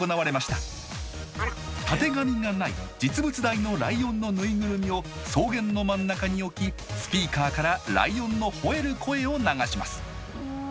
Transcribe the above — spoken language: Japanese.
たてがみがない実物大のライオンのぬいぐるみを草原の真ん中に置きスピーカーからライオンの吠える声を流します「」。